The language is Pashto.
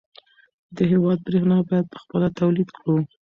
د هېواد برېښنا باید خپله تولید کړو.